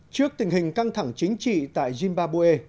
trước tình hình căng thẳng chính trị tại zimbabwe